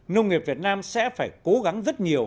nông nghiệp việt nam sẽ phải cố gắng rất nhiều